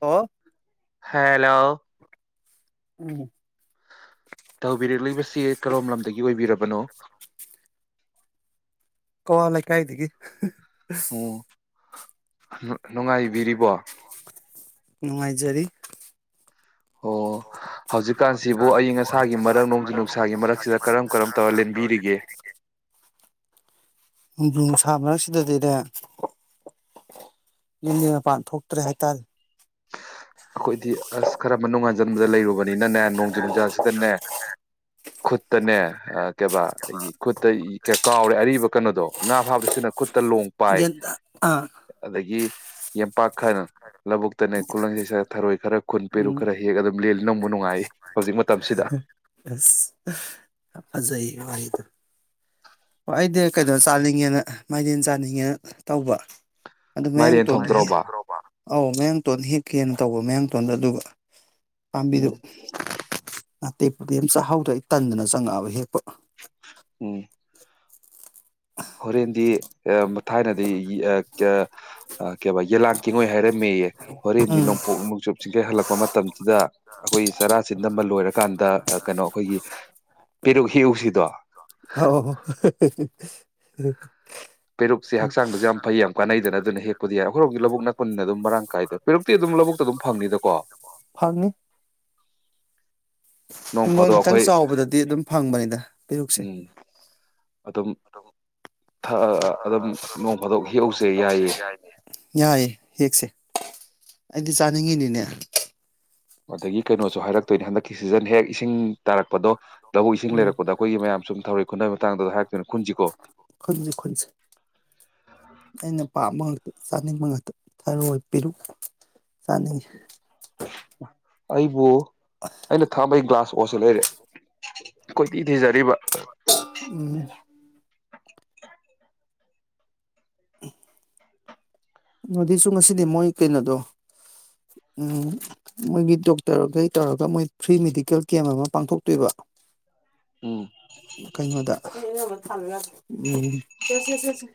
ꯑꯣ ꯍꯦꯜꯂꯣ ꯎꯝ ꯇꯧꯕꯤꯔꯛꯂꯤꯕꯁꯤ ꯀꯔꯣꯝ ꯂꯝꯗꯒꯤ ꯑꯣꯏꯕꯤꯔꯕꯅꯣ ꯀꯋꯥ ꯂꯩꯀꯥꯏꯗꯒꯤ [unintelligible] ꯍꯨꯛ ꯅꯨꯡꯉꯥꯏꯕꯤꯔꯤꯕꯣ ꯅꯨꯡꯉꯥꯏꯖꯔꯤ ꯑꯣ ꯍꯧꯖꯤꯛꯀꯥꯟꯁꯤꯕꯨ ꯑꯏꯪ ꯑꯁꯥꯒꯤ ꯃꯔꯛ ꯅꯣꯡꯖꯨ ꯅꯨꯡꯁꯥꯒꯤ ꯃꯔꯛꯁꯤꯗ ꯀꯔꯝ ꯀꯔꯝ ꯇꯧꯔ ꯂꯦꯟꯕꯤꯔꯤꯒꯦ ꯅꯣꯡꯖꯨ ꯅꯨꯡꯁꯥ ꯃꯔꯛ ꯁꯤꯗꯗꯤꯅꯦ ꯌꯨꯝꯂꯩ ꯃꯄꯥꯟ ꯊꯣꯛꯇ꯭ꯔꯦ ꯍꯥꯏꯇꯥꯔꯦ ꯑꯩꯈꯣꯏꯗꯤ ꯑꯁ ꯀꯔꯝꯕ ꯅꯨꯡꯉꯥꯟꯖꯟꯕꯗ ꯂꯩꯔꯨꯕꯅ ꯅꯤꯅꯅꯦ ꯅꯣꯡꯖꯨ ꯅꯨꯡꯖꯥꯁꯤꯗꯅꯦ ꯈꯨꯠ ꯇꯅꯦ ꯀꯩꯕꯥ ꯑꯩ ꯈꯨꯠꯇ ꯀꯥꯎꯔꯦ ꯑꯔꯤꯕ ꯀꯩꯅꯣꯗꯣ ꯉꯥ ꯐꯥꯕꯗ ꯁꯤꯖꯤꯅꯕ ꯈꯨꯠ ꯇꯂꯣꯡ ꯄꯥꯏ ꯒ꯭ꯌꯥꯟ ꯇꯥ ꯑꯥ ꯑꯗꯒꯤ ꯌꯦꯝꯄꯥꯛ ꯈꯔꯅ ꯂꯧꯕꯨꯛꯇꯅꯦ ꯈꯨꯂꯪ ꯏꯁꯩ ꯁꯛꯂ ꯊꯔꯣꯢ ꯈꯔ ꯈꯨꯟ ꯄꯦꯔꯨꯛ ꯎꯝ ꯈꯔ ꯍꯦꯛ ꯑꯗꯨꯝ ꯂꯦꯟꯂꯤ ꯅꯨꯡꯕꯨ ꯅꯨꯡꯉꯥꯏꯔꯤ ꯍꯧꯖꯤꯛ ꯃꯇꯝꯁꯤꯗ ꯑꯁ [unintelligible] ꯑꯣ ꯑꯩꯗꯤ ꯀꯩꯅꯣ ꯆꯥꯅꯤꯡꯉꯦꯅ ꯃꯥꯏꯔꯦꯟ ꯆꯥꯅꯤꯡꯉꯦꯅ ꯇꯧꯕ ꯑꯗꯨ ꯃꯥꯏꯔꯦꯟ ꯃꯌꯥꯡꯇꯣꯟꯗꯣ ꯍꯦꯛ ꯊꯣꯡꯗ꯭ꯔꯣꯕ꯭ꯔꯥ ꯑꯧ ꯃꯌꯥꯡꯇꯣꯟ ꯍꯦꯛꯀꯦꯅ ꯇꯧꯕ ꯃꯌꯥꯡꯇꯣꯟꯗꯣ ꯑꯗꯨꯒ ꯄꯥꯝꯕꯤꯗꯨ ꯎꯝ ꯑꯇꯦꯛꯄꯗꯤ ꯌꯥꯝ ꯆꯥꯛꯍꯥꯎꯗꯦ ꯑꯩ ꯇꯟꯗꯅ ꯆꯪꯉꯛꯑꯕ ꯍꯦꯛꯄ ꯎꯝ ꯍꯣꯔꯦꯟꯗꯤ ꯑꯦ ꯊꯥꯏꯅꯗꯤ ꯑꯥ ꯀꯩꯕ ꯌꯦꯂꯥꯡ ꯀꯦꯡꯉꯣꯏ ꯍꯥꯏꯔꯝꯃꯦꯑꯌꯦ ꯍꯣꯔꯦꯟꯗꯤ ꯎꯝ ꯅꯣꯡꯄꯣꯛ ꯅꯣꯡꯆꯨꯞ ꯆꯤꯡꯒꯩ ꯍꯜꯂꯛꯄ ꯃꯇꯝꯁꯤꯗ ꯑꯩꯈꯣꯏ ꯆꯔꯥꯆꯤꯟꯗꯝꯕ ꯂꯣꯏꯔꯀꯥꯟꯗ ꯀꯩꯅꯣ ꯑꯩꯈꯣꯏꯒꯤ ꯄꯤꯔꯨꯛ ꯍꯦꯌꯎꯁꯤꯗꯣ ꯑꯥꯎꯎ ꯄꯦꯔꯨꯛꯁꯦ ꯍꯛꯆꯥꯡꯗꯁꯨ ꯌꯥꯝ ꯐꯩ ꯌꯥꯝ ꯀꯥꯟꯅꯩꯗꯅ ꯑꯗꯨꯅ ꯍꯦꯛꯄꯗꯤ ꯌꯥꯔꯦ ꯑꯩꯈꯣꯏꯣꯝꯒꯤ ꯂꯧꯕꯨꯛꯅ ꯀꯨꯟꯅ ꯑꯗꯨꯝ ꯃꯔꯥꯡ ꯀꯥꯏꯗ ꯄꯦꯔꯨꯛꯇꯤ ꯑꯗꯨꯝ ꯂꯧꯕꯨꯛꯇ ꯑꯗꯨꯝ ꯐꯪꯅꯤꯗꯀꯣ ꯐꯪꯅꯤ ꯅꯣꯡ ꯍꯤꯡꯒꯣꯜ ꯐꯥꯗꯣꯛ ꯈꯤꯇꯪ ꯑꯩꯈꯣꯏ ꯆꯥꯎꯕꯗꯗꯤ ꯑꯗꯨꯝ ꯐꯪꯕꯅꯤꯗ ꯄꯦꯔꯨꯛꯁꯦ ꯎꯝ ꯑꯗꯨꯝ ꯊꯥ ꯑꯗꯨꯝ ꯅꯣꯡ ꯐꯥꯗꯣꯛ ꯍꯦꯛꯎꯁꯦ ꯌꯥꯏꯑꯦ ꯌꯥꯏꯌꯦ ꯍꯦꯛꯁꯦ ꯑꯩꯗꯤ ꯆꯥꯅꯤꯡꯉꯤꯅꯤꯅꯦ ꯑꯗꯒꯤ ꯀꯩꯅꯣꯁꯨ ꯍꯥꯏꯔꯛꯇꯣꯏꯅꯦ ꯍꯟꯗꯛꯀꯤ ꯁꯤꯖꯟ ꯍꯦꯛ ꯏꯁꯤꯡ ꯇꯥꯔꯛꯄꯗꯣ ꯂꯧꯎ ꯏꯁꯤꯡ ꯎꯝ ꯂꯩꯔꯛꯄꯗ ꯑꯩꯈꯣꯏꯒꯤ ꯃꯌꯥꯝ ꯁꯨꯝ ꯊꯔꯣꯏ ꯈꯨꯟꯅꯕ ꯃꯇꯥꯡꯗꯣ ꯍꯥꯏꯔꯛ ꯈꯨꯟꯁꯤ ꯈꯨꯟꯁꯦ ꯑꯩꯅ ꯄꯥꯝꯕ ꯉ ꯆꯥꯅꯤꯡꯕ ꯉꯥꯛꯇ ꯊꯔꯣꯏ ꯄꯤꯔꯨꯛ ꯆꯥꯅꯤꯡꯉꯤ ꯑꯩꯕꯨ ꯑꯩꯅ ꯊꯛꯑꯝꯕꯩ ꯒ꯭ꯂꯥꯁ ꯑꯣ ꯁꯤ ꯂꯩꯔꯦ [inaudible] [inaudible] ꯎꯝ [unintelligible] ꯎꯝ ꯑꯗꯨꯁꯨ ꯉꯁꯤꯗꯤ ꯃꯣꯏ ꯀꯩꯅꯣꯗꯣ ꯃꯣꯏꯒꯤ ꯗꯣꯛꯇꯔꯈꯩ ꯇꯧꯔꯒ ꯃꯣꯏ ꯐ꯭ꯔꯤ ꯃꯦꯗꯤꯀꯦꯜ ꯀꯦꯝ ꯑꯃ ꯄꯥꯡꯊꯣꯛꯇꯣꯏꯕ ꯎꯝ ꯀꯩꯅꯣꯗ ꯎꯝ ꯁꯦ ꯁꯦ ꯁꯦ ꯁꯦ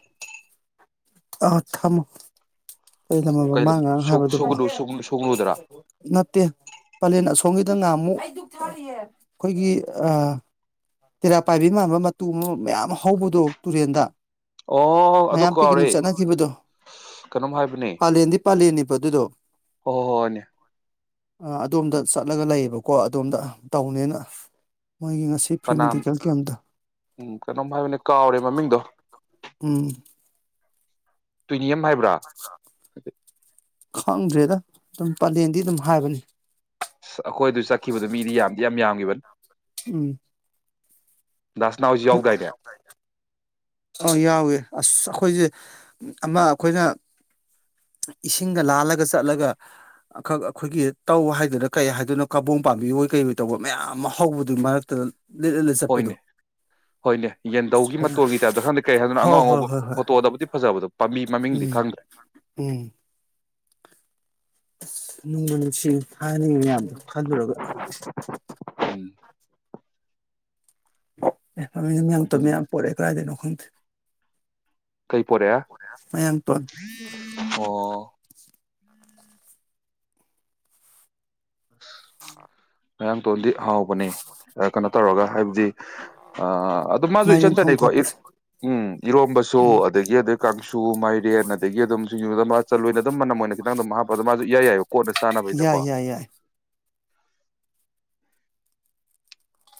ꯑ ꯊꯝꯃꯣ ꯀꯔꯤ ꯂꯝ ꯍꯥꯏꯕ ꯀꯩ ꯃꯥ ꯉꯔꯥꯡ ꯍꯥꯏꯕꯗꯨꯕꯣ ꯁꯨꯒꯅꯨ ꯁꯨꯒꯅꯨꯗꯔꯥ ꯅꯠꯇꯦ ꯄꯂꯦꯟ ꯑꯁꯣꯝꯒꯤꯗ ꯉꯥꯃꯨꯛ ꯑꯩꯈꯣꯏꯒꯤ ꯑꯥ ꯇꯦꯔꯥ ꯄꯥꯏꯕꯤ ꯃꯥꯟꯕ ꯃꯇꯨ ꯑꯃ ꯃꯌꯥꯝ ꯍꯧꯕꯗꯣ ꯇꯨꯔꯦꯟꯗ ꯑꯣꯣ ꯑꯗꯨ ꯃꯌꯥꯝ ꯀꯥꯎꯔꯦ ꯄꯤꯛꯅꯤꯛ ꯆꯠꯅꯈꯤꯕꯗꯣ ꯀꯩꯅꯣꯝ ꯍꯥꯏꯕꯅꯦ ꯄꯥꯂꯦꯟꯗꯤ ꯄꯥꯂꯦꯟꯅꯦꯕ ꯑꯗꯨꯗꯣ ꯑꯣ ꯍꯣ ꯍꯣꯏꯣꯏꯅꯦ ꯑꯗꯣꯝꯗ ꯆꯠꯂꯒ ꯂꯩꯌꯦꯕꯀꯣ ꯑꯗꯣꯝꯗ ꯇꯧꯅꯦꯅ ꯃꯣꯏꯒꯤ ꯉ ꯄꯅꯥꯝ ꯎꯝ ꯀꯩꯅꯣꯝ ꯍꯥꯏꯕꯅꯦ ꯀꯥꯎꯔꯦ ꯃꯃꯤꯡꯗꯣ ꯎꯝ ꯇꯨꯏꯅꯤꯌꯝ ꯍꯥꯏꯕ꯭ꯔꯥ ꯈꯪꯗ꯭ꯔꯦꯗ ꯑꯗꯨꯝ ꯄꯂꯦꯟꯗꯤ ꯑꯗꯨꯝ ꯍꯥꯏꯕꯅꯤ ꯁꯛ [unintelligible] ꯑꯩꯈꯣꯏ ꯑꯗꯨ ꯆꯠꯈꯤꯕꯗꯨ ꯃꯤꯗꯤ ꯌꯥꯝꯗꯤ ꯌꯥꯝ ꯌꯥꯝꯒꯤꯕꯅꯤ [unintelligible] ꯗꯥ ꯁꯅꯥ ꯍꯣꯏꯖꯨ ꯌꯥꯎꯗꯥꯏꯅꯦ ꯑ ꯌꯥꯎꯋꯦ ꯑꯁ ꯑꯈꯣꯏꯖꯦ ꯑꯃ ꯑꯈꯣꯏꯅ ꯏꯁꯤꯡꯒ ꯂꯥꯜꯂꯒ ꯆꯠꯂꯒ ꯑꯈ ꯑꯈꯣꯏꯒꯤ ꯇꯧ ꯍꯥꯏꯗꯣꯏꯔ ꯀꯩ ꯍꯥꯏꯗꯣꯏꯅꯣ ꯀꯕꯣ ꯄꯥꯝꯕꯤ ꯑꯣꯏ ꯀꯩ ꯑꯣꯏ ꯇꯧꯕ ꯃꯌꯥꯝ ꯑꯃ ꯍꯧꯕꯗꯨꯒꯤ ꯃꯔꯛꯇ ꯂꯤꯠ ꯂꯤꯠꯂ ꯆꯠꯄꯗꯣ ꯍꯣꯏꯅꯦ ꯍꯣꯏꯅꯦ ꯌꯦꯟꯙꯧꯒꯤ ꯐꯖꯅ ꯃꯇꯣꯜꯒꯤ ꯈꯪꯗꯦ ꯀꯩ ꯍꯥꯏꯗꯨꯅ ꯍꯣꯏ ꯑꯉꯧ ꯍꯣꯏ ꯑꯉꯧꯕ ꯍꯣꯏ ꯍꯣꯏ ꯐꯣꯇꯣꯗꯕꯨꯗꯤ ꯐꯖꯕꯗꯣ ꯄꯥꯝꯕꯤ ꯃꯃꯤꯡꯗꯤ ꯎꯝ ꯈꯪꯗꯦ ꯎꯝ ꯅꯨꯡꯕꯨ ꯅꯨꯡꯁꯤ ꯊꯥꯏꯅꯒꯤ ꯃꯌꯥꯝꯗꯣ ꯈꯜꯂꯨꯔꯒ [unintelligible] ꯃꯃꯤꯡ ꯇꯣ ꯃꯌꯥꯝ ꯇꯝꯃꯦ ꯑꯗꯨꯅꯦ ꯌꯥꯝ ꯄꯣꯔꯛꯑꯦ ꯀꯗꯥꯏꯗꯩꯅꯣ [unintelligible] ꯀꯩ ꯄꯣꯔꯑꯦ ꯑꯣ ꯃꯌꯥꯡꯇꯣꯟ ꯑꯣꯑꯣ [inaudible] ꯃꯌꯥꯡ ꯇꯣꯟꯗꯤ ꯍꯥꯎꯕꯅꯦ ꯀꯅꯣ ꯇꯧꯔꯒ ꯍꯥꯏꯕꯗꯤ ꯑ ꯑꯗꯨ ꯃꯥꯖꯨ ꯃꯥꯏꯔꯦꯟ ꯏꯆꯟ ꯊꯣꯡ ꯆꯠꯅꯩꯀꯣ ꯏꯐ ꯊꯥꯛꯄꯁꯦ ꯎꯝ ꯏꯔꯣꯝꯕꯁꯨ ꯎꯝ ꯑꯗꯒꯤ ꯑꯗꯩ ꯀꯥꯡꯁꯨ ꯃꯥꯏꯔꯦꯟ ꯑꯗꯒꯤ ꯑꯗꯨꯝ ꯁꯤꯡꯖꯨꯗ ꯃꯥꯆꯟꯑꯣꯏꯅ ꯑꯗꯨꯝ ꯃꯅꯝ ꯑꯣꯏꯅ ꯈꯤꯇꯪ ꯑꯗꯨꯝ ꯍꯥꯞꯄ ꯑꯗꯣ ꯃꯥꯁꯨ ꯏꯌꯥ ꯌꯥꯏꯑꯕ ꯀꯣꯠꯅ ꯆꯥꯅꯕꯩꯗꯀꯣ ꯌꯥꯏ ꯌꯥꯏ ꯌꯥꯏ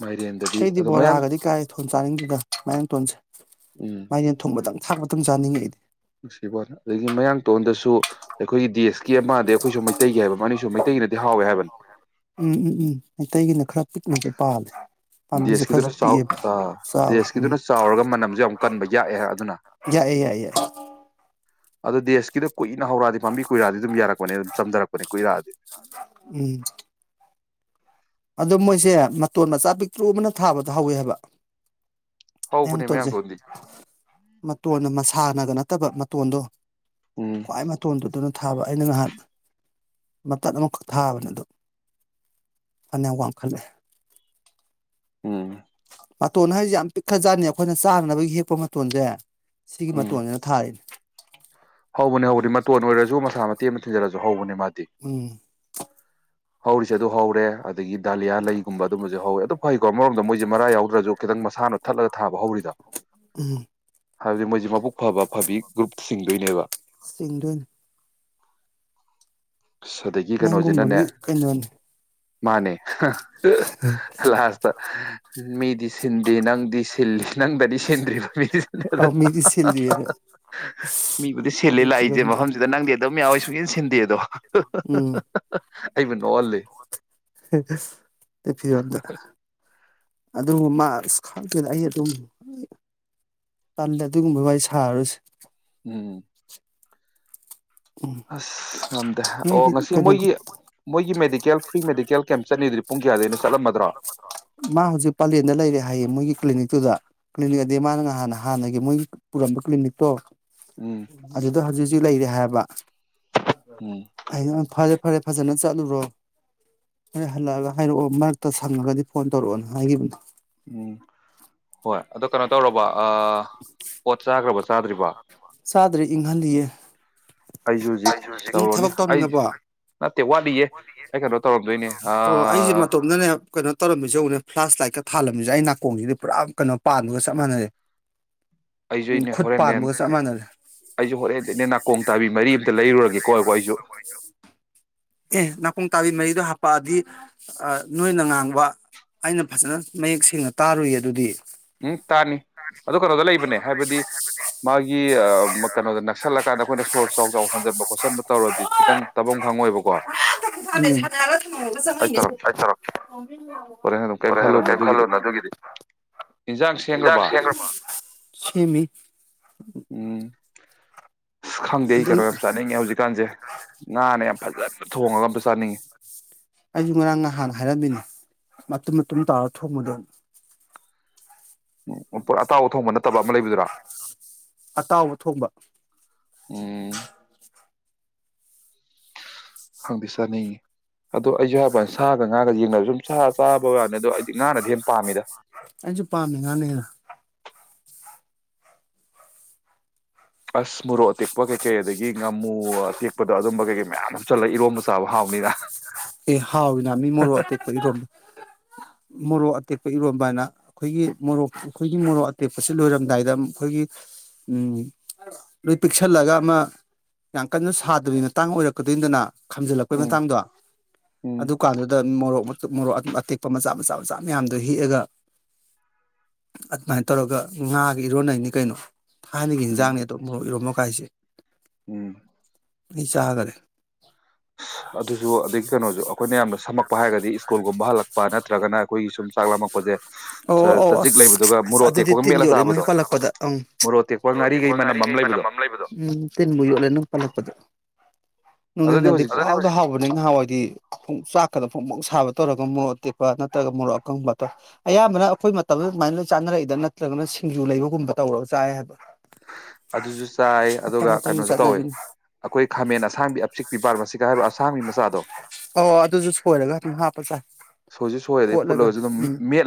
ꯃꯥꯏꯔꯦꯟꯗꯗꯤ ꯑꯩꯗꯤ ꯑꯗꯣ ꯃꯌꯥꯡ ꯕꯣꯔꯥꯒꯗꯤ ꯀꯥꯌꯦ ꯊꯣꯅ ꯆꯥꯅꯤꯡꯗꯦꯗ ꯃꯥꯌꯥꯡꯇꯣꯟꯁꯦ ꯎꯝ ꯃꯥꯏꯔꯦꯟ ꯊꯣꯡꯕꯇꯪ ꯊꯥꯛꯄꯇꯪ ꯆꯥꯅꯤꯡꯉꯤ [unintelligible] ꯅꯨꯡꯁꯤꯕꯋꯥꯅꯤ ꯑꯗꯒꯤ ꯃꯌꯥꯡꯇꯣꯟꯗꯁꯨ ꯑꯩꯈꯣꯏꯒꯤ ꯗꯦꯁ ꯀꯤ ꯑꯃ ꯑꯩꯈꯣꯏꯁꯨ ꯃꯩꯇꯩꯒꯤ ꯍꯥꯏꯕ ꯑꯅꯤꯁꯨ ꯃꯩꯇꯩꯒꯤꯅꯗꯤ ꯍꯥꯎꯋꯦ ꯍꯥꯏꯕꯅꯦ ꯎꯝ ꯎꯝ ꯎꯝ ꯃꯩꯇꯩꯒꯤꯅ ꯈꯔ ꯄꯤꯛꯅꯁꯨ ꯄꯥꯜꯂꯦ ꯄꯥꯝꯕꯤꯁꯨ ꯗꯦꯁꯀꯤꯗꯨꯅ ꯈꯔꯁꯨ ꯆꯥꯎ ꯄꯤꯛꯑꯦꯕ ꯑ ꯆꯥꯎꯋꯦ ꯎꯝ ꯗꯦꯁꯀꯤꯗꯨꯅ ꯆꯥꯎꯔꯒ ꯃꯅꯝꯖꯨ ꯌꯥꯝ ꯀꯟꯕ ꯌꯥꯛꯑꯦ ꯍꯥ ꯑꯗꯨꯅ ꯌꯥꯏꯌꯦ ꯌꯥꯏ ꯌꯥꯏ ꯑꯗꯨ ꯗꯦꯁꯀꯤꯗꯨ ꯀꯨꯏꯅ ꯍꯧꯔꯛꯑꯗꯤ ꯄꯥꯝꯕꯤ ꯀꯨꯏꯔꯑꯗꯤ ꯑꯗꯨꯝ ꯌꯥꯔꯛꯄꯅꯦ ꯆꯝꯗꯔꯛꯄꯅꯦ ꯀꯨꯏꯔꯑꯗꯤ ꯎꯝ ꯑꯗꯣ ꯃꯣꯏꯁꯦ ꯃꯇꯣꯟ ꯃꯆꯥ ꯄꯤꯛꯇ꯭ꯔꯨ ꯑꯃꯅ ꯊꯥꯕꯗ ꯍꯧꯋꯦ ꯍꯥꯕ ꯍꯧꯕꯅꯦ ꯃꯌꯥꯡꯇꯣꯟꯁꯦ ꯃꯌꯥꯡꯇꯣꯟꯗꯤ ꯃꯇꯣꯟꯅ ꯃꯁꯥ ꯊꯥꯅꯒ ꯅꯠꯇꯕ ꯃꯇꯣꯟꯗꯣ ꯎꯝ ꯈ꯭ꯋꯥꯏ ꯃꯇꯣꯟꯗꯨꯗ ꯅ ꯊꯥꯕ ꯑꯩꯅ ꯉꯍꯥꯟ ꯃꯇꯠ ꯑꯃꯈꯛ ꯊꯥꯕꯅꯦ ꯑꯗꯣ ꯐꯅꯌꯥꯝ ꯋꯥꯡꯈꯠꯂꯦ ꯎꯪ ꯃꯇꯣꯟ ꯍꯥꯏꯖꯦ ꯌꯥꯝ ꯄꯤꯛꯈ꯭ꯖꯥꯠꯅꯤ ꯑꯈꯣꯏꯅ ꯆꯥꯅꯅꯕꯒꯤ ꯍꯦꯛꯄ ꯃꯇꯣꯟꯖꯦ ꯁꯤꯒꯤ ꯎꯝ ꯃꯇꯣꯟꯁꯤꯅ ꯊꯥꯔꯤꯅꯦ [inaudible] ꯍꯧꯕꯅꯦ ꯍꯧꯕꯗꯤ ꯃꯇꯣꯟ ꯑꯣꯏꯔꯁꯨ ꯃꯁꯥ ꯃ ꯃꯇꯦꯛ ꯑꯃ ꯊꯤꯟꯖꯤꯜꯂꯁꯨ ꯍꯧꯕꯅꯦ ꯃꯥꯗꯤ ꯎꯝ ꯍꯧꯔꯤꯁꯦ ꯑꯗꯨ ꯍꯧꯔꯦ ꯑꯗꯒꯤ ꯗꯥꯂꯤꯌꯥ ꯂꯩꯒꯨꯝꯕ ꯑꯗꯨꯝꯕꯁꯨ ꯍꯧꯋꯦ ꯑꯗꯨ ꯀꯣ ꯃꯔꯣꯝꯗ ꯃꯣꯏꯁꯦ ꯃꯔꯥ ꯌꯥꯎꯗ꯭ꯔꯁꯨ ꯈꯤꯇꯪ ꯏꯁꯥꯅ ꯇꯠꯂꯒ ꯊꯥꯕ ꯍꯧꯔꯤꯗꯣ ꯎꯝ ꯍꯥꯏꯕꯗꯤ ꯃꯣꯏꯁꯤ ꯃꯕꯨꯛ ꯐꯕ ꯐꯕꯤ ꯒ꯭ꯔꯨꯞ ꯁꯤꯡꯗꯣꯏꯅꯦꯕ ꯁꯤꯡꯗꯣꯏꯅꯤ ꯑꯗꯒꯤ ꯀꯩꯅꯣꯁꯤꯅꯅꯦ ꯅꯪꯒꯨꯝꯕꯒꯤ ꯀꯩꯅꯣꯅꯤ ꯃꯥꯅꯦ ꯂꯥꯁꯇ ꯃꯤꯗꯤ ꯁꯤꯟ ꯗꯦ ꯅꯪꯗꯤ ꯁꯤꯜ ꯅꯪꯗꯗꯤ ꯁꯤꯟꯗ꯭ꯔꯤꯕ ꯑ ꯃꯤꯗꯤ ꯁꯤꯜꯂꯤꯗ ꯃꯤꯕꯨꯗꯤ ꯁꯤꯜꯂꯦ ꯑꯗꯨꯏ ꯂꯥꯛꯏꯁꯦ ꯐꯤꯕꯝꯗ ꯃꯐꯝꯁꯤꯗ ꯅꯪꯗꯤ ꯑꯗꯨꯝ ꯌꯥꯎꯋꯦ ꯁꯨꯡꯁꯤꯟ ꯁꯤꯟꯗꯦ ꯑꯗꯣ ꯎꯝ ꯑꯩꯕꯨ ꯅꯣꯛꯍꯜꯂꯤ ꯑꯗꯨ ꯃꯥ ꯈꯪꯗꯦꯗ ꯑꯩ ꯑꯗꯨꯝ ꯇꯜꯂꯦ ꯑꯗꯨꯒꯨꯝꯕ ꯋꯥꯔꯤ ꯁꯥꯔꯔꯣꯏꯁꯦ ꯎꯝ ꯑꯁ ꯉꯝꯗꯦ ꯑꯣ ꯅꯣꯏꯗꯤ ꯉꯁꯤ ꯀꯩꯅꯣꯗ ꯃꯣꯏꯒꯤ ꯃꯣꯏꯒꯤ ꯃꯦꯗꯤꯛ ꯆꯠꯂꯝꯃꯗ꯭ꯔꯣ ꯃꯥ ꯍꯧꯖꯤꯛ ꯄꯂꯦꯟꯗ ꯂꯩꯔꯦ ꯍꯥꯏꯌꯦ ꯃꯣꯏꯒꯤ ꯀ꯭ꯂꯤꯅꯤꯛꯇꯨꯗ ꯀ꯭ꯂꯤꯅꯤꯛ ꯑꯗꯤ ꯃꯥꯅ ꯉꯍꯥꯟ ꯍꯥꯟꯅꯒꯤ ꯃꯣꯏꯒꯤ ꯄꯨꯔꯝꯕ ꯀ꯭ꯂꯤꯅꯤꯛꯇꯣ ꯎꯝ ꯑꯗꯨꯗ ꯍꯧꯖꯤꯛ ꯍꯧꯖꯤꯛꯁꯨ ꯂꯩꯔꯦ ꯌꯥꯏ ꯍꯥꯏꯕ ꯎꯝ ꯐꯔꯦ ꯐꯔꯦ ꯐꯖꯅ ꯆꯠꯂꯨꯔꯣ ꯍꯣꯔꯦꯟ ꯍꯜꯂꯛꯑꯒ ꯍꯥꯏꯔꯛꯑꯣ ꯃꯔꯛꯇ ꯁꯪꯉꯒꯗꯤ ꯐꯣꯟ ꯇꯧꯔꯛꯑꯣꯅ ꯍꯥꯏꯈꯤꯕꯅꯦ ꯎꯝ ꯍꯣꯏ ꯑꯗꯣ ꯀꯩꯅꯣ ꯇꯧꯔꯕꯣ ꯑ ꯑꯣꯠꯆꯥꯒ꯭ꯔꯕꯣ ꯆꯥꯗ꯭ꯔꯤ ꯏꯪꯍꯜꯂꯤꯌꯦ ꯑꯩꯁꯨ ꯍꯧꯖꯤꯛ ꯇꯧꯔꯣꯅꯦ ꯑꯩ ꯋꯥꯠꯂꯤꯌꯦ ꯑꯩ ꯀꯩꯅꯣ ꯇꯧꯔꯝꯗꯣꯢꯅꯦ ꯑꯥ ꯑꯣ ꯑꯩꯁꯦ ꯃꯇꯣꯝꯗꯅꯦ ꯀꯩꯅꯣ ꯇꯧꯔꯝꯃꯤꯁꯦ ꯌꯦꯡꯎꯅꯦ ꯐ꯭ꯂꯥꯁ ꯂꯥꯏꯠꯀꯥ ꯊꯥꯜꯂꯝꯃꯤꯁꯦ ꯑꯩ ꯅꯥꯀꯣꯡꯁꯤꯗꯤ ꯄꯨꯔꯥ ꯀꯩꯅꯣ ꯄꯥꯟꯕꯒ ꯆꯞ ꯃꯥꯟꯅꯔꯦ ꯑꯩꯁꯨ ꯎꯝ ꯏꯑꯩꯅꯦ ꯈꯨꯠ ꯍꯣꯔꯦꯟꯅꯦ ꯄꯥꯟꯕꯒ ꯆꯞ ꯃꯥꯟꯅꯔꯦ ꯑꯩꯁꯨ ꯍꯣꯔꯦꯟꯗꯩꯅꯦ ꯅꯥꯀꯣꯡ ꯇꯥꯕꯤ ꯃꯔꯤ ꯑꯃꯇ ꯂꯩꯔꯨꯔꯒꯦꯀꯣ ꯉꯥꯏꯈꯣ ꯑꯩꯁꯨ ꯑꯦ ꯅꯥꯀꯣꯡ ꯇꯥꯕꯤ ꯃꯔꯤꯗꯣ ꯍꯥꯄꯛꯑꯗꯤ ꯑ ꯅꯣꯏꯅ ꯉꯥꯡꯕ ꯑꯩꯅ ꯐꯖꯅ ꯃꯌꯦꯛ ꯁꯦꯡꯅ ꯇꯥꯔꯨꯏꯌꯦ ꯑꯗꯨꯗꯤ ꯎꯝ ꯇꯥꯅꯤ ꯑꯗꯨ ꯀꯩꯅꯣꯗ ꯂꯩꯕꯅꯦ ꯍꯥꯏꯕꯗꯤ ꯃꯥꯒꯤ ꯑꯥ ꯀꯩꯅꯣꯗ ꯅꯛꯁꯜꯂꯀꯥꯟꯗ ꯑꯩꯈꯣꯏꯅ ꯁꯣꯔ ꯆꯥꯎ ꯆꯥꯎ ꯍꯣꯟꯖꯟꯕ ꯈꯣꯠꯆꯟꯕ ꯇꯧꯔꯗꯤ ꯈꯤꯇꯪ ꯇꯥꯐꯝ ꯈꯪꯉꯣꯏꯕꯀꯣ ꯉꯍꯥꯛꯇ ꯄꯣꯊꯥꯗꯦ ꯁꯥꯟꯅꯔꯒ ꯊꯃꯝꯃꯒ ꯆꯪꯉꯛꯏꯅꯦ [inaudible] ꯑꯩ ꯇꯧꯔꯛꯀꯦ ꯍꯣꯔꯦꯟ ꯍꯜꯂꯛ ꯀꯔꯤꯝ ꯈꯜꯂꯨꯅ ꯑꯗꯨꯒꯤꯗꯤ ꯏꯟꯖꯥꯡ ꯁꯦꯝꯈ꯭ꯔꯕꯥ ꯁꯦꯝꯃꯤ ꯍꯥ ꯑꯁ ꯈꯪꯗꯦ ꯑꯩ ꯑꯗꯨꯝ ꯀꯩꯅꯣ ꯌꯥꯝ ꯆꯥꯅꯤꯡꯉꯦ ꯍꯧꯖꯤꯛꯀꯥꯟꯁꯦ ꯉꯥꯅꯦ ꯌꯥꯝ ꯐꯖꯟꯅ ꯊꯣꯡꯉꯒ ꯑꯃꯇ ꯆꯥꯅꯤꯡꯉꯤ ꯑꯩꯁꯨ ꯉꯔꯥꯡ ꯅꯍꯥꯟ ꯍꯥꯏꯔꯝꯃꯤꯅꯦ ꯃꯇꯨꯝ ꯃꯇꯨꯝ ꯇꯥꯎꯔ ꯊꯣꯡꯕꯗꯣ ꯎꯝ ꯄꯨꯔꯥ ꯑꯇꯥꯎꯕꯥ ꯊꯣꯡꯕ ꯅꯠꯇꯕ ꯑꯃ ꯂꯩꯕꯗꯨꯔꯥ ꯑꯇꯥꯎꯕ [inaudible] ꯎꯝ ꯈꯪꯗꯦ ꯆꯥꯅꯤꯡꯉꯤ ꯑꯗꯣ ꯑꯩꯁꯨ ꯍꯥꯏꯕ ꯋꯥꯅꯦ ꯁꯥꯒ ꯉꯥꯒꯗꯤ ꯌꯦꯡꯉꯗꯤ ꯁꯨꯝ ꯁꯥꯥ ꯆꯥ ꯕ꯭ꯋꯥꯅꯦ ꯑꯗꯣ ꯑꯩꯗꯤ ꯉꯥꯅꯗꯤ ꯍꯦꯟ ꯄꯥꯝꯃꯤꯗ ꯑꯩꯁꯨ ꯄꯥꯝꯃꯤ ꯉꯥꯅ ꯍꯦꯟꯅ ꯑꯁ ꯃꯣꯔꯣꯠ ꯇꯦꯛꯄ ꯀꯩ ꯀꯩ ꯑꯗꯒꯤ ꯉꯥꯃꯨ ꯑꯇꯦꯛꯄꯗꯣ ꯑꯗꯨꯝꯕ ꯀꯩꯀꯩ ꯃꯌꯥꯝ ꯍꯥꯞꯆꯜꯂꯒ ꯏꯔꯣꯝꯕ ꯆꯥ ꯆꯥꯕ ꯍꯥꯎꯕꯅꯤꯗ ꯍꯥ ꯑꯦ ꯍꯥꯎꯋꯤꯅꯥ ꯃꯤ ꯃꯣꯔꯣꯛ ꯑꯇꯦꯛꯄ ꯏꯔꯣꯟ ꯃꯣꯔꯣꯛ ꯑꯇꯦꯛꯄ ꯏꯔꯣꯟꯕ ꯍꯥꯏꯅ ꯑꯩꯈꯣꯏꯒꯤ ꯃꯣꯔꯣꯛ ꯑꯩꯈꯣꯏꯒꯤ ꯃꯣꯔꯣꯛ ꯑꯇꯦꯛꯄꯁꯤ ꯂꯣꯏꯔꯝꯗꯥꯏꯗ ꯑꯩꯈꯣꯏꯒꯤ ꯎꯝ ꯂꯣꯏ ꯄꯤꯛꯁꯜꯂꯒ ꯑꯃ ꯌꯥꯝ ꯀꯟꯅ ꯁꯥꯗꯕꯤ ꯃꯇꯥꯡ ꯑꯣꯏꯔꯛꯀꯗꯣꯏꯅꯤꯗꯅ ꯈꯝꯖꯤꯜꯂꯛꯄꯩ ꯎꯝ ꯃꯇꯥꯡꯗꯣ ꯎꯝ ꯑꯗꯨ ꯀꯥꯟ ꯗꯨꯗ ꯃꯣ ꯃꯣꯔꯣꯛ ꯃꯇꯨꯝ ꯃꯣꯔꯣꯛ ꯑꯇꯦꯛꯄ ꯃꯆꯥ ꯃꯆꯥ ꯃꯆꯥ ꯃꯌꯥꯝꯗꯣ ꯍꯦꯛꯑꯒ ꯑꯗꯨꯃꯥꯏꯅ ꯇꯧꯔꯒ ꯉꯥꯒ ꯏꯔꯣꯟꯅꯩꯅꯤ ꯀꯩꯅꯣ ꯊꯥꯏꯅꯒꯤ ꯎꯝ ꯏꯟꯖꯥꯡꯅꯦ ꯑꯗꯣ ꯃꯔꯣꯛ ꯏꯔꯣꯝꯕ ꯍꯥꯏꯁꯦ ꯎꯝ ꯑꯩ ꯆꯥꯒꯔꯦ ꯑꯁ ꯑꯗꯨꯁꯨ ꯑꯗꯒꯤ ꯀꯩꯅꯣꯁꯨ ꯑꯩꯈꯣꯏꯅ ꯌꯥꯝꯅ ꯁꯝꯃꯛꯄ ꯍꯥꯏꯔꯒꯗꯤ ꯁ꯭ꯀꯨꯜꯒꯨꯝꯕ ꯍꯜꯂꯛꯄ ꯅꯠꯇ꯭ꯔꯒꯅ ꯑꯩꯈꯣꯏꯒꯤ ꯁꯨꯝ ꯆꯥꯛ ꯂꯥꯝꯃꯛꯄꯁꯦ ꯑꯣ ꯑꯣ ꯆꯖꯤꯛ ꯑꯁ ꯂꯩꯕꯗꯨꯒ ꯑꯁ ꯃꯣꯔꯣꯛ ꯑꯗꯨꯗꯤ ꯑꯇꯦꯛꯄꯒ ꯇꯤꯟ ꯃꯦꯠꯂ ꯌꯣꯠꯂꯦ ꯅꯪ ꯆꯥꯕꯗꯣ ꯄꯜꯂꯛꯄꯗ ꯑꯪ ꯃꯣꯔꯣꯛ ꯑꯇꯦꯛꯄ ꯉꯥꯔꯤꯒꯤ ꯃꯅꯝ ꯑꯃ ꯂꯩꯗꯣ ꯎꯝ ꯇꯤꯟꯕꯨ ꯌꯣꯠꯂꯦ ꯅꯪ ꯄꯜꯂꯛꯄꯗ ꯑꯗꯨꯗꯤ ꯅꯨꯡꯗꯤꯟꯗꯗꯤ ꯍꯧꯖꯤꯛ ꯄꯨꯡꯍꯥꯎꯗ ꯍꯥꯎꯕꯅꯤ ꯅꯍꯥꯋꯥꯏꯗꯤ ꯆꯥꯛꯀꯗꯣ ꯐꯣꯡ ꯐꯣꯡ ꯁꯥꯕ ꯇꯧꯔꯒ ꯃꯣꯔꯣꯛ ꯑꯇꯦꯛꯄ ꯅꯠꯇ꯭ꯔꯒ ꯃꯣꯔꯣꯛ ꯑꯀꯪꯕꯗꯣ ꯑꯌꯥꯝꯕꯅ ꯑꯩꯈꯣꯏ ꯃꯇꯝꯗ ꯁꯨꯃꯥꯏꯅ ꯆꯥꯅꯔꯛꯏꯗ ꯅꯠꯇ꯭ꯔꯒꯅ ꯁꯤꯡꯖꯨ ꯂꯩꯕꯒꯨꯝꯕ ꯇꯧꯔꯒ ꯆꯥꯏ ꯍꯥꯏꯕ ꯑꯗꯨꯁꯨ ꯆꯥꯏ ꯃꯇꯝ ꯑꯗꯨꯒ ꯃꯇꯝꯒꯤ ꯀꯩꯅꯣꯁꯨ ꯇꯧꯋꯦ ꯆꯠꯅꯕꯤꯅꯤ ꯑꯩꯈꯣꯏ ꯈꯥꯃꯦꯟ ꯑꯁꯥꯡꯕꯤ ꯑꯄꯤꯛꯄꯤ ꯕꯥꯔꯃꯁꯤꯒ ꯍꯥꯏꯕ꯭ꯔꯥ ꯑꯁꯥꯡꯕꯤ ꯃꯆꯥꯗꯣ ꯑꯣ ꯑꯗꯨꯁꯨ ꯁꯣꯏꯔꯒ ꯑꯗꯨꯝ ꯍꯥꯞꯄ ꯆꯥꯏ ꯁꯣꯏꯁꯨ ꯁꯣꯏꯔꯦ ꯐꯨꯠꯂꯒꯁꯨ ꯑꯗꯨꯝ ꯃꯦꯠ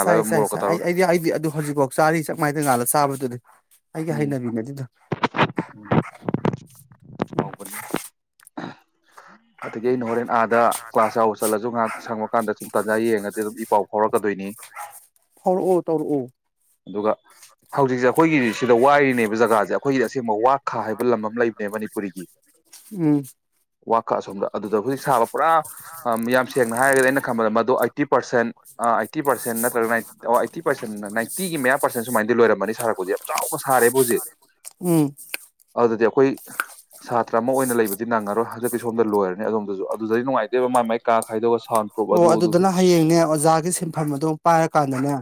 ꯆꯥꯢ ꯆꯥꯏ ꯆꯥꯏ ꯑꯩ ꯇꯧꯔꯒ ꯑꯩꯗꯤ ꯑꯩꯗꯤ ꯑꯗꯨ ꯍꯧꯖꯤꯛꯐꯥꯎ ꯆꯥꯔꯤ ꯆꯥꯛꯃꯥꯢꯗ ꯉꯥꯜꯂ ꯆꯥꯕꯗꯨꯗꯤ ꯑꯩꯒꯤ ꯎꯝ ꯍꯩꯅꯕꯤꯅꯤ ꯑꯗꯨꯗꯣ ꯎꯝ ꯍꯥꯎꯕꯅꯤ ꯑꯗꯒꯤ ꯑꯩꯅ ꯍꯣꯔꯦꯟ ꯑꯥꯗ ꯀ꯭ꯂꯥꯁ ꯌꯥꯎꯕ ꯆꯠꯂꯁꯨ ꯉꯥꯍꯥꯛ ꯁꯪꯕꯀꯥꯟꯗ ꯁꯨꯝ ꯇꯥꯟꯖꯥ ꯌꯦꯡꯉꯗꯤ ꯑꯗꯨꯝ ꯏ ꯄꯥꯎ ꯐꯥꯎꯔꯛꯀꯗꯣꯏꯅꯤ ꯐꯥꯎꯔꯛꯑꯣ ꯇꯧꯔꯛꯑꯣ ꯑꯗꯨꯒ ꯍꯧꯖꯤꯛꯁꯦ ꯑꯩꯈꯣꯏ ꯁꯤꯗ ꯋꯥꯏꯔꯤꯅꯦꯕ ꯖꯒꯥꯁꯦ ꯑꯩꯈꯣꯏꯒꯤꯗꯤ ꯑꯁꯦꯡꯕ ꯋꯥ ꯈꯥ ꯍꯥꯏꯕ ꯂꯝ ꯑꯃ ꯂꯩꯕꯅꯦ ꯃꯅꯤꯄꯨꯔꯤꯒꯤ ꯎꯝ ꯋꯥꯈꯥ ꯑꯁꯣꯝꯗ ꯑꯗꯨꯗꯕꯨꯗꯤ ꯁꯥꯕ ꯄꯨꯔꯥ ꯌꯥꯝ ꯁꯦꯡꯅ ꯍꯥꯏꯔꯒꯗꯤ ꯑꯩꯅ ꯈꯟꯝꯕꯗ ꯃꯗꯨ ꯑꯩꯇꯤ ꯄꯔꯁꯦꯟ ꯑꯩꯇꯤ ꯄꯥꯔꯁꯦꯟ ꯅꯠꯇ꯭ꯔꯒꯏ ꯑꯩꯠꯇꯤ ꯄꯥꯔꯁꯦꯟ ꯅꯥꯏꯟꯇꯤꯒꯤ ꯃꯌꯥ ꯄꯔꯁꯦꯟ ꯁꯨꯃꯥꯏꯅꯗꯤ ꯂꯣꯏꯔꯝꯃꯅꯤ ꯁꯥꯔꯛꯄꯁꯦ ꯆꯥꯎꯕ ꯁꯥꯔꯦꯕꯨ ꯍꯧꯖꯤꯛ ꯎꯝ ꯑꯗꯨ ꯗꯤ ꯑꯩꯈꯣꯏ ꯁꯥꯇ꯭ꯔ ꯑꯃ ꯑꯣꯏꯅ ꯂꯩꯕꯗꯤ ꯅꯪꯉꯔꯣꯏ ꯍꯟꯗꯛꯀꯤ ꯁꯣꯝꯗ ꯂꯣꯏꯔꯅꯤ ꯑꯗꯣꯝꯗꯁꯨ ꯑꯗꯨꯗꯗꯤ ꯅꯨꯡꯉꯥꯏꯇꯦꯕ ꯃꯥꯒꯤ ꯃꯥꯏ ꯀꯥ ꯈꯥꯏꯗꯣꯛꯑꯒ ꯁꯥꯎꯟ ꯄ꯭ꯔꯨꯞ ꯑꯣ ꯑꯗꯨ ꯑꯗꯨ ꯑꯗꯨꯗꯅ ꯑꯁ ꯍꯌꯦꯡꯅꯦ ꯑꯣꯖꯥꯒꯤ ꯁꯤꯟꯐꯝ ꯑꯗꯣ ꯄꯥꯏꯔꯀꯥꯟꯗꯅꯦ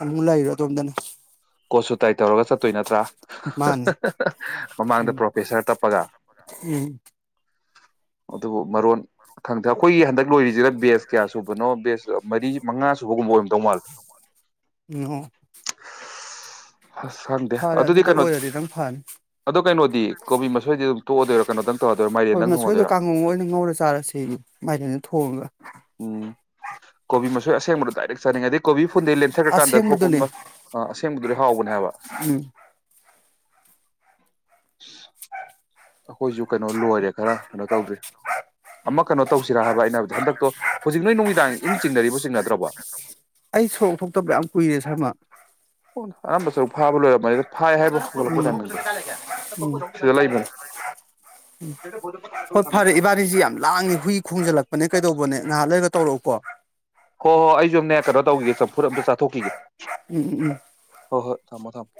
ꯑꯗꯨ ꯂꯔꯣ ꯑꯗꯣꯝꯗꯅ ꯀꯣꯠ ꯁꯨꯠ ꯇꯥꯏ ꯇꯧꯔꯒ ꯆꯠꯇꯣꯏ ꯅꯠꯇ꯭ꯔꯥ ꯃꯥꯅꯦ ꯃꯃꯥꯡꯗ ꯎꯝ ꯄ꯭ꯔꯣꯐꯦꯁꯔ ꯇꯞꯄꯒ ꯎꯝ ꯑꯗꯨꯕꯨ ꯃꯔꯣꯟ ꯈꯪꯗ꯭ꯔꯦ ꯑꯩꯈꯣꯏꯒꯤ ꯍꯟꯗꯛ ꯂꯣꯢꯔꯤꯁꯤꯅ ꯕꯦꯁ ꯀꯌꯥ ꯁꯨꯕꯅꯣ ꯕꯦꯁ ꯃꯔꯤ ꯃꯉꯥ ꯁꯨꯕꯒꯨꯝꯕ ꯑꯣꯔꯝ ꯃꯤꯍꯣ ꯑꯁ ꯈꯪꯗꯦ ꯑꯗꯨꯗꯤ ꯀꯩꯅꯣ ꯑꯣꯏꯔꯗꯤ ꯅꯪ ꯐꯅꯤ ꯑꯗꯨ ꯀꯩꯅꯣꯗꯤ ꯀꯣꯕꯤ ꯃꯁꯣꯏꯗꯤ ꯑꯗꯨꯝ ꯇꯣꯛꯑꯗꯣꯏꯔ ꯀꯩꯅꯣ [unintelligible] ꯀꯣꯕꯤ ꯃꯁꯣꯏꯗꯣ ꯀꯥꯡꯉꯧ ꯑꯣꯏꯅ ꯉꯧꯔ ꯆꯥꯔꯁꯦ ꯃꯥꯏꯔꯦꯟꯗꯣ ꯊꯣꯡꯉꯒ ꯎꯝ ꯁꯔꯉꯗꯤ ꯀꯣꯕꯤ ꯐꯨꯜ ꯈꯨꯨꯟꯗꯦ ꯂꯦꯞꯊꯔꯀꯥꯟꯗ ꯊꯣꯛꯄ ꯑꯁꯦꯡꯕꯗꯨꯅꯦ ꯑꯃ ꯑꯁꯦꯡꯕꯗꯨꯗꯤ ꯍꯥꯎꯕꯅꯦ ꯍꯥꯏꯕ ꯎꯝ ꯑꯈꯣꯏꯁꯨ ꯀꯩꯅꯣ ꯂꯣꯏꯔꯦ ꯈꯔ ꯀꯩꯅꯣ ꯇꯧꯗ꯭ꯔꯤ ꯑꯃ ꯀꯩꯅꯣ ꯇꯧꯁꯤꯔ ꯍꯥꯏꯕ ꯑꯩꯅ ꯍꯥꯢꯕꯗꯤ ꯍꯟꯗꯛꯇꯣ ꯍꯧꯖꯤꯛ ꯅꯣꯏ ꯅꯨꯃꯤꯗꯥꯡ ꯏꯟ ꯆꯤꯡꯅꯔꯤꯕꯣ ꯆꯤꯡꯅꯗ꯭ꯔꯕꯣ ꯑꯩ ꯁꯨꯔꯣꯛ ꯊꯣꯛꯇꯕ ꯌꯥꯝ ꯀꯨꯏꯔꯦ ꯁꯔꯃ ꯑꯅꯝꯕ ꯁꯔꯨꯛ ꯐꯥꯕ ꯂꯣꯏꯔꯝꯃꯗ ꯍꯥꯏ ꯍꯥꯏꯕꯣ ꯍꯧꯒꯠꯂꯛꯄ ꯇꯥꯢꯃꯤꯡꯗꯣ ꯁꯤꯗ ꯂꯩꯕꯅꯦ ꯍꯣꯏ ꯅꯦ ꯀꯩꯗꯧꯕꯅꯦ ꯅꯍꯥꯛ ꯂꯩꯔꯒ ꯇꯧꯔꯛꯎꯀꯣ ꯍꯣ ꯍꯣꯏ ꯑꯩꯁꯨꯝꯅꯦ ꯀꯩꯅꯣ ꯇꯧꯒꯤꯒꯦ ꯆꯝꯐꯨꯠ ꯑꯝꯇ ꯆꯥꯊꯣꯛꯈꯤꯒꯦ ꯎꯝ ꯎꯝ ꯎꯝ ꯍꯣꯏ ꯍꯣꯏ ꯊꯝꯃꯣ ꯊꯝꯃꯣ